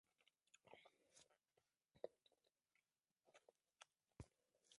Nuevamente el disco fue producido por Pedro Ramírez.